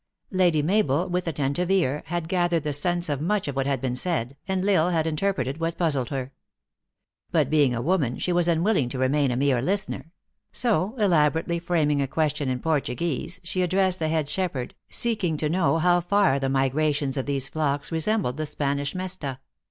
Lady Mabel, with attentive ear, had gathered the sense of much that had been said, and L Isle had in terpreted what puzzled her. But being a woman, she was unwilling to remain a mere listener ; so, elabor ately framing a question in Portuguese, she addressed the head shepherd, seeking to know how far the migrations of these flocks resembled the Spanish mesta.